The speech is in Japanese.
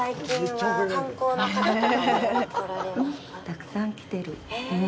うん、たくさん来てる。